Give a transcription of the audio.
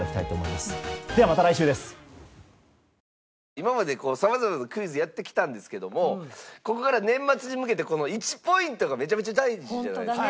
今までさまざまなクイズやってきたんですけどもここから年末に向けて１ポイントがめちゃめちゃ大事じゃないですか。